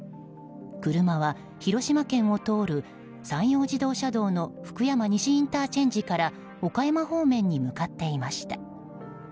車は、広島県を通る山陽自動車道の福山西ＩＣから岡山方面に向かっていました。